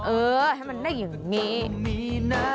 เออให้มันได้อย่างนี้นะ